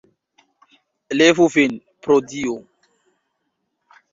Levu vin, pro Dio!